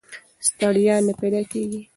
ستړیا نه پیدا کېږي.